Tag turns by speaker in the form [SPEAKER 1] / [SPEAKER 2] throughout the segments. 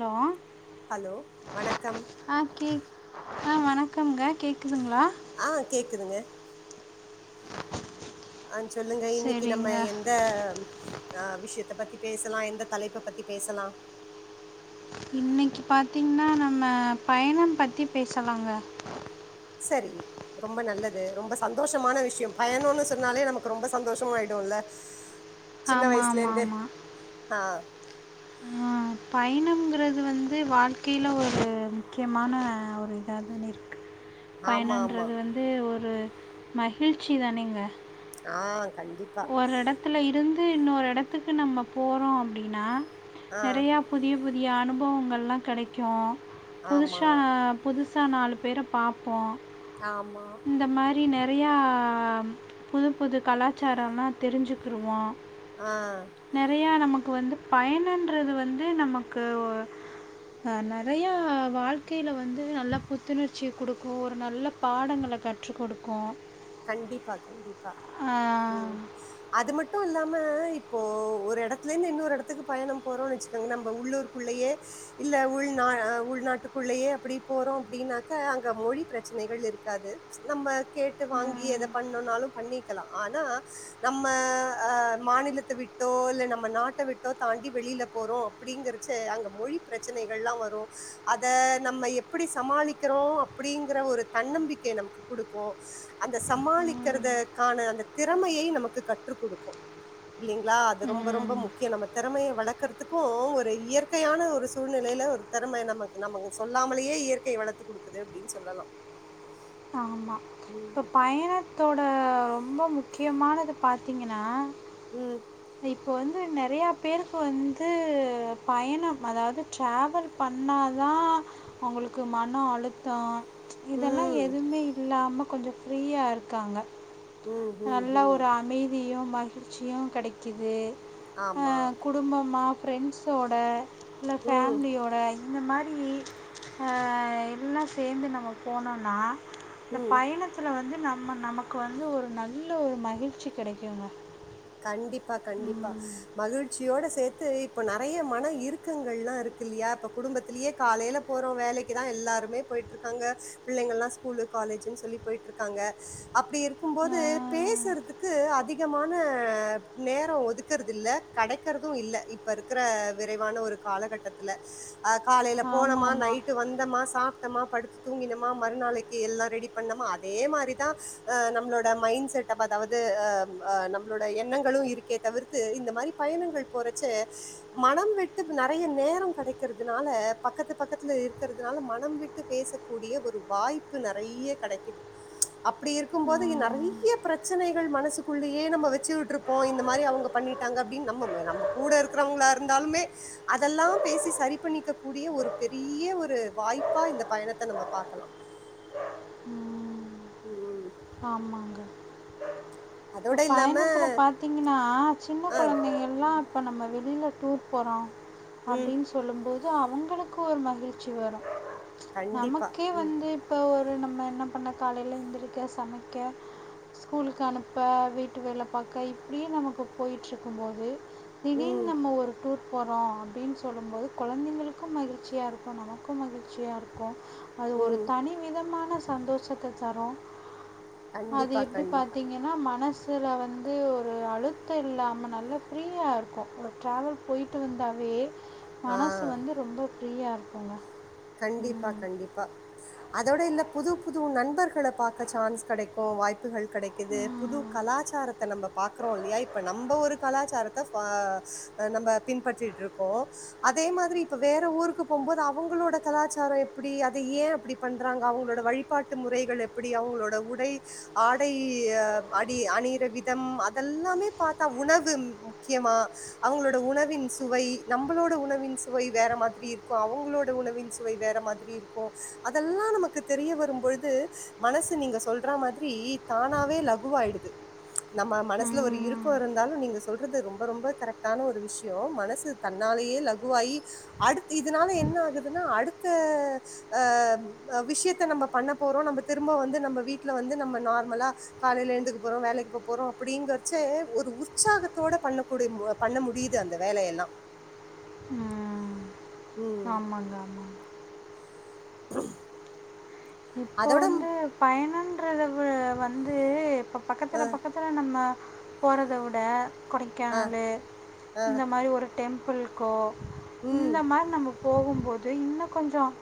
[SPEAKER 1] Hello
[SPEAKER 2] hello வணக்கம்
[SPEAKER 1] ஆஹ் வணக்கம்ங்க கேக்குதுங்களா
[SPEAKER 2] ஆஹ் கேக்குதுங்க அஹ் சொல்லுங்க இனிக்கு நம்ம
[SPEAKER 1] சரிங்க
[SPEAKER 2] எந்த ஆஹ் விஷயத்த பத்தி பேசலாம் எந்த தலைப்ப பத்தி பேசலாம்
[SPEAKER 1] இன்னைக்கு பாத்தீங்கன்னா நம்ம பயணம் பத்தி பேசலாங்க
[SPEAKER 2] சரி ரொம்ப நல்லது ரொம்ப சந்தோஷமான விஷயம் பயணம்ன்னனு சொன்னாலே நமக்கு ரொம்ப சந்தோஷமா ஆயிடும்ல்ல சின்ன
[SPEAKER 1] ஆமா
[SPEAKER 2] வயசுலேந்தே ஆஹ்
[SPEAKER 1] ஆஹ் பயணம்ங்கிறது வந்து வாழ்க்கையில ஒரு முக்கியமான ஒரு இதா தானே இருக்கு
[SPEAKER 2] ஆமா ஆமா
[SPEAKER 1] பயணன்றது வந்து ஒரு மகிழ்ச்சி தானேங்க
[SPEAKER 2] ஆஹ்
[SPEAKER 1] ஒரு இடத்துல இருந்து இந்து இன்னொரு இடத்துக்கு நம்ம போறோம் அப்டின்னா
[SPEAKER 2] ஆ
[SPEAKER 1] நெறையா புதிய புதிய அனுபவங்கள்லாம் கெடைக்கும்
[SPEAKER 2] ஆமா
[SPEAKER 1] புதுஷா புது சா நாலு பேர பாப்போம்
[SPEAKER 2] ஆமா
[SPEAKER 1] இந்த மாரி நே நெறையா புது புது கலாச்சாரம்லாம் தெரிஞ்சுக்கிருவோம்
[SPEAKER 2] ஆ
[SPEAKER 1] நெறைய நமக் இப்போ வந்து பயனுன்றது வந்து நமக்கு நெறைய வாழ்க்கையில வந்து நல்ல புத்துணர்ச்சி குடுக்கும் ஒரு நல்ல பாடங்கள் கற்றுக் கொடுக்கும்
[SPEAKER 2] கண்டிப்பா கண்டிப்பா பா அது மட் மட்டும் இல்லாம இப்போ ஒரு இடத்துலயிந்து இன்னொரு இடத்துக்கு பயணம் போறோம் வச்சுக்கோங்க நம்ம உள்ளூருக்குள்ளயே இல்ல உள்ந உள்நாட்டுக்குள்ளயே அப்டி போறோம் அப்டின்னாக்க அங்க மொழி பிரச்சனகள் இருக்காது நம்ம வாங்கி எத பண்ணனாலும் பண்ணி க்கலாம் ஆனா நம்ம அஹ் மாநிலத்த விட்டோ இல்ல நம்ம நாட்ட விட்டோ தாண்டி வெளியில போறோம் அப்படிங்கிறச்ச அங்க மொழி பிரச்சனைகள் எல்லாம் வரும் அத நம்ம எப்படி சமாளிக்கிறோம் அப்படிங்கிற ஒரு தன்னம்பிக்க நமக்கு குடுக்கும் அந்த சமாளிக்கிறதுக்கான அந்த திறமயை நமக்கு கற்றுக் குடுக்கும் இல்லைங்களா அது ரொம்ப ரொம்ப முக்கியம் நம்ம திறமய வளக்கறதுக்கும் ஒரு இயற்கையான ஒரு சூழ்நிலையில ஒரு திறமய நமக்கு நமக்கு சொல்லாமலேயே இயற்கைய வளர்த்து குடுக்குது அப்டின்னு சொல்லலாம்
[SPEAKER 1] ஆமா இப்ப பைய ணத்தோட ரொம்ப முக்கியமானது பாத்தீங்கன்னா
[SPEAKER 2] உம்
[SPEAKER 1] இப்போ வந்து நிறையா பேருக்கு வந்து பயணம் அதாவது டிரவல் பண்ணா தான் அவங்களுக்கு மனம் அளுத்தோம் இதெல்லாம் எ
[SPEAKER 2] ம்
[SPEAKER 1] இல்லாம கொஞ்சம் ஃப்ரீயா இருக்காங்க
[SPEAKER 2] ம் ம்
[SPEAKER 1] நல்ல
[SPEAKER 2] ம்
[SPEAKER 1] ஒரு அமைதியும் ம மகிழ்ச்சியும் கிடைக்கிது
[SPEAKER 2] ஆமா
[SPEAKER 1] அஹ் குடும்பமா ஃப்ரெண்ட்ஸோட இல்ல
[SPEAKER 2] ம்
[SPEAKER 1] ஃபேமிலியோட இந்த மாரி எல்லாம் சேந்து நம்ம போனோன்னா இந்த
[SPEAKER 2] ம்
[SPEAKER 1] பயணத்துல வந்து நம்ம நமக்கு வந்து ஒரு நல்ல ஒரு மகிழ்ச்சி கெடைக்குங்க
[SPEAKER 2] கண்டிப்பா கண்டிப்பா
[SPEAKER 1] ம்.
[SPEAKER 2] மகிழ்ச்சியோட சேர்த்து இப்ப நிறைய மன இருறுக்கங்கள் எல்லாம் இருக்கு இல்லையா இப்ப குடும்பத்திலயே காலையில போறோம் வேலைக்குதான் எல்லாருமே போயிட்டு இருக்காங்க பிள்ளைங்கள் எல்லாம் ஸ்கூலு காலேஜுன்னு சொல்லி போயிட்டு இருக்காங்க அப்படி இருக்கும்போது
[SPEAKER 1] ஆமாம்
[SPEAKER 2] பேசுறதுக்கு அதிக மான அஹ் நேரம் ஒதுக்கறது இல்ல கிடைக்கறதும் இல்ல இப்ப இருக்கிற விரைவான ஒரு காலகட்டத்துல காலையில போனமா
[SPEAKER 1] ஆமாம்
[SPEAKER 2] நைட்டு வந்தோமா சாப்ப படுத்து தூங்கினமா மறுநாளைக்கு எல்லாம் ரெடி பண்ண அதே மாதிரிதான் நம்மளோட மைண்ட செட் அதாவது எண்ணங்களும் இருக்க தவிர்த்து இந்த மாதிரி பயணங்கள் போறச்சு மனம் விட்டு நிறைய நேரம் கிடைக்கிறதுனால பக்கத்து பக்கத்துல இருக்கிறதுனால மனம் விட்டு பேசக்கூடிய ஒரு வாய்ப்பு நிறைய கிடைக்குது அப்படி இருக்கும் போது நிறைய பிரச்சனைகள் மனசுக்குள்ளேயே நம்ம வச்சு விட்டு இருப்போம் இந்த மாதிரி அவங்க பண்ணிட்டாங்க அப்படின்னு நம்ம நம்ம கூட இருக்கிறவங்களா இருந்தாலுமே அதெல்லாம் பேசி சரி பண்ணிக்க கூடிய ஒரு பெரிய ஒரு வாய்ப்பா இந்த பயணத்தை நம்ம பாக்கலாம் உம்
[SPEAKER 1] ஆமாங்க இப்போ
[SPEAKER 2] அதோட இல்லாம
[SPEAKER 1] பயணத்தில்ல பார்த்தீங்கன்னா சின்ன
[SPEAKER 2] ஆ
[SPEAKER 1] குழந்தைங்கள்லாம் இப்போ நம்ம வெளியில் ூப் போறம்
[SPEAKER 2] ம்.
[SPEAKER 1] அப்படின்னு சொல்லும்போது அ அவங்களுக்கு ஒரு மகிழ்ச்சி வரும்
[SPEAKER 2] கண்டிப்பா.
[SPEAKER 1] நமக்கே
[SPEAKER 2] ம்.
[SPEAKER 1] வந்து இப்ப ஒரு நம்ம என்ன பண்ண காலையில எழுந்திரக்க சமைக்கஸ்கூலுக்கு அனு இப்போ வீட்டு வேலை பார்க்க இப்படியே நமக்கு போயட்டுருக்கும் போது திடீர்னு
[SPEAKER 2] ம்.
[SPEAKER 1] நம்ம ஒரு டூர் போகிறோம் அப்படின்னு சொல்லும்போது குழந்தைங்களுக்கும் மகிழ்ச்சியாக இருக்கும் நமக்கும் மகிழ்ச்சியாக இருக்கும் அது ஒரு
[SPEAKER 2] ம்.
[SPEAKER 1] தனி விதமான சந்தோஷத்தை சரண அது
[SPEAKER 2] கண்டிப்பா,
[SPEAKER 1] எப்படி
[SPEAKER 2] கண்டிப்பா.
[SPEAKER 1] பாத்தீங்க மனசில் வந்து ஒரு அழுத்தம் இல்லாமல் நல்லா ஃப்ரீயாக இருக்கும் ஒரு ட்ராவல் போயி்ட்டு வந்தாவே
[SPEAKER 2] ஆ.
[SPEAKER 1] மனசு வந்து ரொம்ப ஃப்ரீயாக இருக்கும்ங்க
[SPEAKER 2] கண்டிப்பா கண்டிப்பா அதோட இல்ல புது புது நண்பர்களை பார்க்க சான்ஸ் கிடைக்கும் வாய்ப்புகள் கிடைக்குது புது
[SPEAKER 1] ம்
[SPEAKER 2] கலாச்சாரத்தை நம்ம பாக்குறோம் இல்லையா இப்ப நம்ம ஒரு கலாச்சாரத்தை நம்ம பின்பற்றிட்டு இருக்கோம் அதே மாதிரி இப்ப வேற ஊருக்கு போகும்போது அவங்களோட கலாச்சாரம் எப்படி அதை ஏன் அப்படி பண்றாங்க அவங்களோட வழிபாட்டு முறைகள் எப்படி அவங்களோட உடை ஆடை அடி அணிற விதம் அதெல்லாமே பார்த்தா உணவு முக்கியமா அவங்களோட உணவின் சுவை நம்மளோட உணவின் சுவை வேற மாதிரி இருக்கும் அவங்களோட உணவின் ச மாதி இருக்கும் அதெல்லாம் நமக்கு தெரிய வரும்பொழுது மனசு நீங்க சொல்ற மாதிரி தானாவே லகுவாயிடுது நம்ம மனசுல ஒரு
[SPEAKER 1] ம்
[SPEAKER 2] இருக்கம் இருந்தாலும் நீங்க சொல்றது ரொம்ப ரொம்ப கரெக்டான ஒரு விஷயம் மனசு தன்னாலேயே லகுவாயி அ இதனால என்ன ஆகுதுன்னா அ அஹ் விஷயத்த நம்ம பண்ண போறோம் நம்ம திரும்ப வந்து நம்ம வீட்டுல வந்து நம்ம நார்மலா காலையில எழுந்துக்க போறோம் வேலைக்கு போ போறோம் அப்படிங்கறச்ச ஒரு உற்சாகத்தோட பண்ணக்கூடிய பண்ண முடியுது அந்த வேலையெல்லாம்
[SPEAKER 1] உம்
[SPEAKER 2] உம்
[SPEAKER 1] ஆமாங்க ஆமாங்க
[SPEAKER 2] ஆஹம்
[SPEAKER 1] இப்போ வந்து பயணம் ற வந்து இப்ப பக்கத்திர பக்கத்திர நம்ம போறதை விட கொடைக்கானல் இந்த மாதிரி ஒரு டெம்ம்புள் கோ
[SPEAKER 2] உம்
[SPEAKER 1] இந்த மாரி நம்ம போகும்போது இன்னும் கொஞ்சம்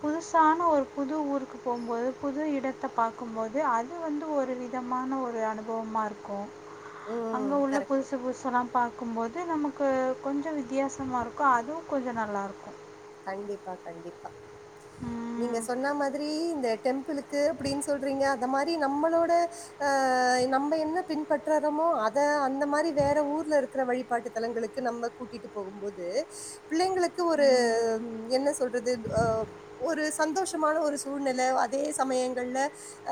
[SPEAKER 1] புதுசான ஒரு புது ஊர் க்கு போவும்போது புது இடத்த பாக்கும்போது அது வந்து ஒரு விதமான ஒரு அனுபவமாருக்கும் அங்க
[SPEAKER 2] உம்
[SPEAKER 1] உள்ள
[SPEAKER 2] கரெக்ட்
[SPEAKER 1] புதுசு புதுசுலாம் பாக்கும்போது நமக்கு கொஞ்சம் வித்தியாசமா இருக்கும் அதுவும் கொஞ்சம் நல்லா இருக்கும்
[SPEAKER 2] கண்டிப்பா கண்டிப்பா நீங்க
[SPEAKER 1] ம்
[SPEAKER 2] சொன்ன மாதிரி இந்த டெம்பிளுக்கு அப்படின்னு சொல்றீங்க அந்த மாதிரி நம்மளோட ஆஹ நம்ம என்ன பின்பற்றறோமோ அதை அந்த மாதிரி வேற ஊர்ல இருக்கிற வழிபாட்டு தலங்களுக்கு நம்ம கூட்டிட்டு போகும்போது பிள்ளைங்களுக்கு ஒரு
[SPEAKER 1] ம்
[SPEAKER 2] உ என்ன சொல்றது அஹ் ஒரு சந்தோஷமான ஒரு சூழ்நிலை அதே சமயங்கள்ல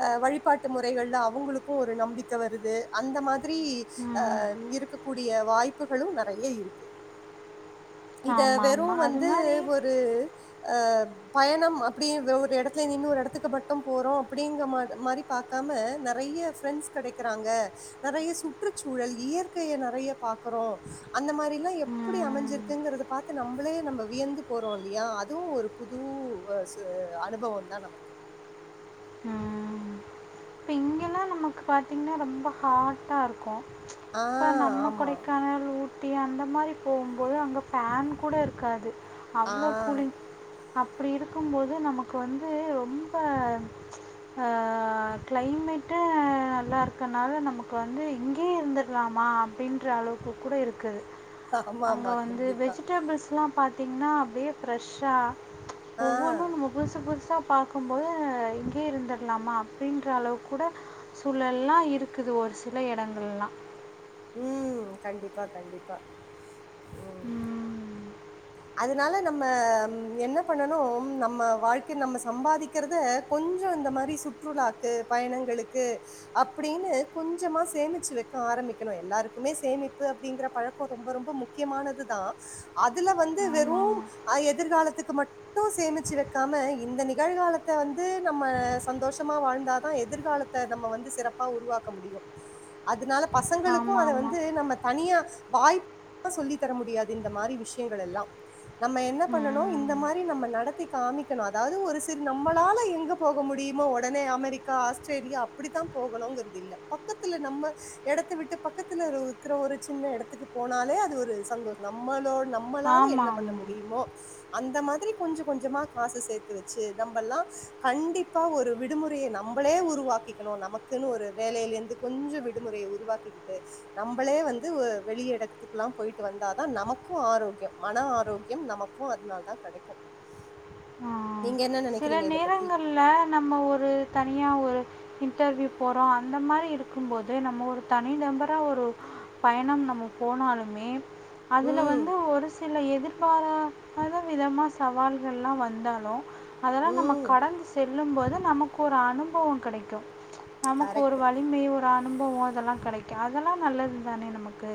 [SPEAKER 2] அஹ் வழிபாட்டு முறைகள்ல அவங்களுக்கும் ஒரு நம்பிக்கை வருது அந்த மாதிரி
[SPEAKER 1] ம்
[SPEAKER 2] அஹ் இருக்கக்கூடிய வாய்ப்புகளும் நிறைய இருக்கு இத
[SPEAKER 1] ஆமாம்
[SPEAKER 2] வெறும்
[SPEAKER 1] ஆமாம் அது
[SPEAKER 2] வந்து
[SPEAKER 1] மாதிரி
[SPEAKER 2] ஒரு அ பயணம் அப்டீண்ற ஒரு இடத்துலருந்தது இன்னொரு இடத்துக்கு மட்டும் போறோம் அப்டிங்கற மாரி பார்காம நிறைய பிரிண்ட்ஸ் கிடைக்கறாங்க நிறைய சுற்றுச்சூழல் இயற்கையை நிறைய பாக்கறோம் அந்த மாரிலாம் எப்படி
[SPEAKER 1] ம்.
[SPEAKER 2] அமைஞ்சிருக்குங்கறத பார்த்து நம்மளே நம்ம வியந்து போறோலியா அதுவும் ஒரு புது அனுபவம் தான் நமக்கு
[SPEAKER 1] ம். இப்ப இங்கெல்லாம் நமக்கு பார்த்திங்ன்னா ரொம்ப ஹார்டாருக்கும்
[SPEAKER 2] ஆ ஆமா
[SPEAKER 1] [unintelligible] ட்டி அந்த மாரி போ எப்போதும் அங்க ஃபேன் கூட இருக்காது
[SPEAKER 2] ஆ
[SPEAKER 1] அவ்ளோ கூலிங் அப்படி இருக்கும்போது நமக்கு வந்து ரொம்ப க்கிளைமேட் நல்லா இருக்கனால நமக்கு வந்து இங்கே இருந்துடுலாமா அப்படின்ற அளவுக்கு கூட இருக்கு
[SPEAKER 2] ஆமா
[SPEAKER 1] அங்க
[SPEAKER 2] ஆமா
[SPEAKER 1] வந்து
[SPEAKER 2] கண்டிப்பா
[SPEAKER 1] வெஜிடபிள்ஸ்லாம் பார் தின்னா அப்டியே ஃப்ரெஷ்ஷா
[SPEAKER 2] ஆ
[SPEAKER 1] ஒவ்வொன்னும் நம்ம புதுசு புதுசா பாக்கும்போது இங்கே இருந்துடலாமா அப்படின்ற அளவு கூட சூழெல்லாம் இருக்குது ஒரு சில இடங்கள்ல்லாம்
[SPEAKER 2] உம்ம் கண்டிப்பா கண்டிப்பா
[SPEAKER 1] உம்ம்
[SPEAKER 2] அதுனால நம்ம என்ன பண்ணணும் நம்ம வாழ்க்கைய நம்ம சம்பாதிக்கிறத கொஞ்சம் இந்த மாதிரி சுற்றுலாக்கு பயணங்களுக்கு அப்டின்னு கொஞ்சமா சேமிச்சு வைக்க ஆரம்பிக்கணும் எல்லாருக்குமே சேமிப்பு அப்டிங்கற பழக்கம் ரொம்ப ரொம்ப முக்கியமானதுதான் அதுல வந்து ந்து வெறும்்
[SPEAKER 1] ஆமாம்
[SPEAKER 2] எதிர்காலத்துக்கு மட்டும் சேமிச்சு வைக்காம இந்த நிகழ்காலத்த வந்து நம்ம சந்தோஷமா வாழ்ந்தாதான் எதிர்காலத்தை நம்ம வந்து சிறப்பா உருவாக்க முடியும் அதுனால
[SPEAKER 1] ஆமாம்
[SPEAKER 2] பசங்களுக்கும் அதை
[SPEAKER 1] ஆமாம் ஆமாம்
[SPEAKER 2] வந்து நம்ம தனியா வாய்ப்ப சொல்லி தர முடியாது இந்த மாரி விஷயங்கள் எல்லாம் நம்ம என்ன பண்ணணும் இந்த மாரி நம்ம நடத்தி காமிக்கணும் அதாவது ஒரு சிறு நம்மளால எங்க போக முடியுமோ உடனே அமெரிக்கா ஆஸ்திரேலியா அப்படித்தான் போகணுங்கற்து இல்ல பக்கத்துல நம்ம இடத்த விட்டு பக்கத்துல இருக்குற ஒரு சின்ன இடத்துக்கு போனாலே அது ஒரு சந்தோஷம் நம்மளோட
[SPEAKER 1] ஆமாம்
[SPEAKER 2] நம்மளால என்ன பண்ண
[SPEAKER 1] ஆமாம்
[SPEAKER 2] முடியுமோ அந்த மாதிரி கொஞ்சம் கொஞ்சமா காசு சேர்த்து வச்சு நம்பலாம் கண்டிப்பா ஒரு விடுமுறையை நம்பளே உருவாக்கிக்கணும் நமக்குன்னு ஒரு வேலேலிருந்து கொஞ்சம் விடுமுறையை உருவாக்கிக்கிட்டு நம்பளே வந்து வெளிியிடத்துக்குலாம் போயிட்டு வந்தாதான் நமக்கும் ஆரோக்கியம் மன ஆ ஆரோக்கியம் நமக்கும் அதுனால தான் கிடைக்கும்
[SPEAKER 1] ஆ.
[SPEAKER 2] நீங்க என்ன
[SPEAKER 1] சில
[SPEAKER 2] நினைக்கிறீங்க இத பத்தி
[SPEAKER 1] நேரங்கள்ள நம்ம ஒரு தனியா ஒரு இன்டர்வியூ போறோம் அந்த மாதிரி இருக்கும்போது நம்ம ஒரு தனி நம்பரா ஒரு பயணம் நம்ம போனாலுமே அதுல
[SPEAKER 2] ம்
[SPEAKER 1] வந்து ஒரு சில எதிர். ப பலவிதம சவால்கள்லாம் வந்தாலும். அதல்லா நம
[SPEAKER 2] ம்
[SPEAKER 1] கடந்து செ. சொல்லும்போது நமக்கு ஒரு அனுபவம் கேடைக்கும் நமக்கு ஒரு
[SPEAKER 2] கரெக்ட்
[SPEAKER 1] வலிமை. அனுபவம் அதெல்லா கெடிக்கும் அதெல்லா நல்லது தானே நமக்கு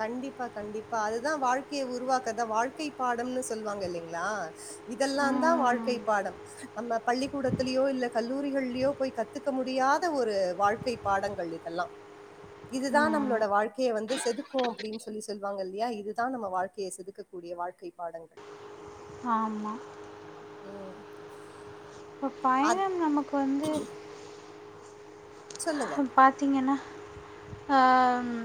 [SPEAKER 2] கண்டிப்பா.. கண்டிப்பா.. அதுத வாழ்க்கையை உருவாக்கதா வாழ்க்கை பாடம்னு சொல்லுவாங்க இல்லைங்களா இதெல்லாம் தான்
[SPEAKER 1] ம்.
[SPEAKER 2] வாழ்க்கை பாடம் நம்ம பள்ளிக்கூடத்திலயோ இல்ல கல்லூரிகள்லயோ போய் கத்துக்க முடியாத ஒரு வாழ்க்கை பாடங்கள் இதெல்லா இதுதான்
[SPEAKER 1] ம்.
[SPEAKER 2] நம்மளோட வாழ்க்கைய வந்து செதுக் இருக்கும் அப்படின்னு சொல்லி சொல்லுவாங்க இல்லையா இதுதான் நம்ம வாழ்க்கையை செதுக்கக்கூடிய வாழ்க்கை பாடங்கள்.
[SPEAKER 1] ஆமா.
[SPEAKER 2] உம்
[SPEAKER 1] இப்போ பயணம் நமக்கு வந்து
[SPEAKER 2] சொல்லுங்க.
[SPEAKER 1] பாத்தீங்கன்னா அஹம்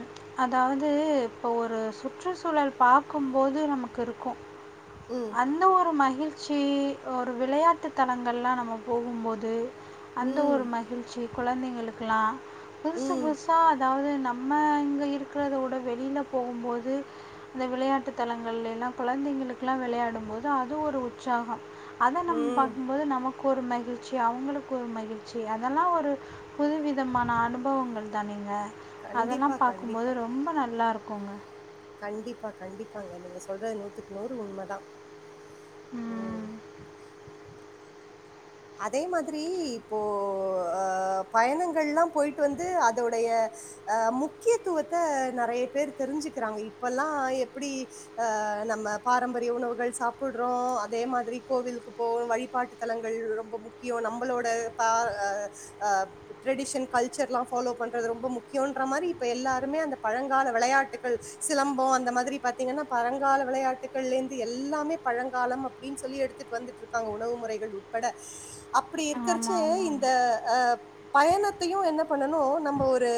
[SPEAKER 1] அதாவது இப்போ ஒரு சுற்றுச்சூழல் பார்க்கும்போது நமக்கு இருக்கும்
[SPEAKER 2] ம்,
[SPEAKER 1] அந்த ஒரு மகி மகிழ்ச்சி ஒரு விளையாட்டு தலங்கள்லாம் நம்ம போகும்போது அந்த
[SPEAKER 2] ம்,
[SPEAKER 1] ஒரு மகிழ்ச்சி குழந்தைங்களுக்கு க்கலா புதுசு
[SPEAKER 2] ம்,
[SPEAKER 1] புதுசா அதாவது நம்ம இங்க இருக்கிறத உட வெளியில போகும் போது இந்த விளையாட்டு தலங்கள்ல எல்லா குழந்தைங்களுக்குகெல்லாம் விளையாடும் போது அது ஒரு உற்சாகம். அத நம்ம
[SPEAKER 2] ம்.
[SPEAKER 1] பாக்கும்போது நமக் ஒரு மகிழ்ச்சி அவங்களுக்கு ஒரு மகிழ்ச்சி அதெல்லா ஒரு புதுவிதமான அனுபவங்கள் தானேங்க
[SPEAKER 2] கண்டிப்பா,
[SPEAKER 1] அதெல்லாம் பார்கக்கும்போது
[SPEAKER 2] கண்டிப்பா.
[SPEAKER 1] ரொம்ப நல்லா இருக்கும் போங்க
[SPEAKER 2] கண்டிப்பா கண்டிப்பாங்க நீங்க சொல்றது நூத்துக்கு நூறு உண்மைதான் ம் அதே மாதிரி இப்போ அஹ் பயணங்கள் எல்லாம் போயிட்டு வந்து அதோடய முக்கியத்துவத்தை நிறைய பேர் தெரிஞ்சுக்கிறாங்க இப்பல்லாம் எப்படி ஆஹ் நம்ம பாரம்பரிய உணவுகள் சாப்பிடுறோம் அதே மாதிரி கோவிலுக்கு போக வழிபாட்டு தலங்கள் ரொம்ப முக்கியம் நம்மளோட க ஹா அ ட்ரெடிஷன் கல்ச்சர்லாம் ஃபாலோ பண்றது ரொம்ப முக்கியம்ன்ற மாதிரி இப்போ எல்லாருமே அந்த பழங்கால விளையாட்டுகள் சிலம்பம் அந்த மாதிரி பார்த்தீங்கன்னா பழங்கால விளையாட்டுகள்லேந்து எல்லாமே பழங்காலம் அப்படின்னு சொல்லி எடுத்துட்டு வந்துட்டு இருக்காங்க உணவு முறைகள் உட்பட அப் அப்படி
[SPEAKER 1] ஆமாம்
[SPEAKER 2] இருக்கச்சு
[SPEAKER 1] ஆமாங்க
[SPEAKER 2] இந்த அஹ் பயணத்தையும் என்ன பண்ணணும் நம்ம ஒரு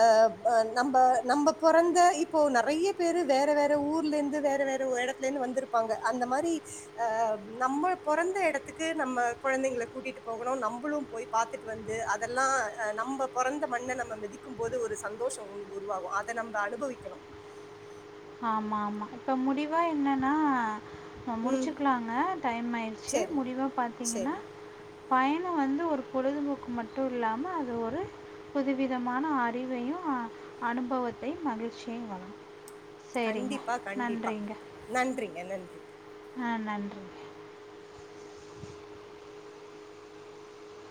[SPEAKER 2] அஹ் நம்ம நம்ம பிறந்த இப்போ நிறைய பேரு வேற வேற ஊர்ல இருந்து வேற வேற இடத்துல இருந்து வந்திருப்பாங்க அந்த மாதிரி அஹ் நம்ம பொறந்த இடத்துக்கு நம்ம குழந்தைங்கள கூட்டிட்டு போகணும் நம்மளும் போய் பார்த்துட்டு வந்து அதெல்லா அஹ் நம்ம பிறந்த மண்ண நம்ம மிதிக்கும் போது ஒரு சந்தோஷம் உருவாகும் அதை நம்ம அனுபவிக்கணும்
[SPEAKER 1] ஆமா ஆமா இப்ப முடிவா என்னன்னா
[SPEAKER 2] ம்
[SPEAKER 1] முடிச்சுக்கலாங்க டைம் ஆயிடுச்சு
[SPEAKER 2] சரி
[SPEAKER 1] முடிவ பாத்தீங்கன்னா
[SPEAKER 2] சரி
[SPEAKER 1] பயணம் வந்து ஒரு பொழுதுபோக்கு மட்டும் இல்லாமல அது ஒரு புதுவிதமான அறிவையும் அனுபவத்தையும் மகிழ்ச்சியையும் வரும்
[SPEAKER 2] கண்டிப்பா கண்டிப்பா நன்றி நன்றி
[SPEAKER 1] ஆஹ் நன்றி